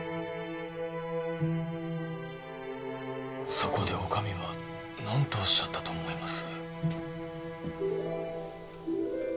そこでお上は何とおっしゃったと思います？